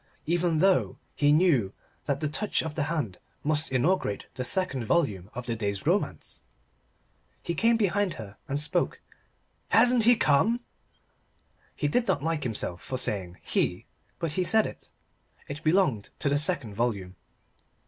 Even though he knew that that touch of the hand must inaugurate the second volume of the day's romance. He came behind her and spoke. "Hasn't he come?" He did not like himself for saying "he" but he said it. It belonged to the second volume.